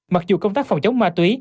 mặc dù công tác phòng chống ma túy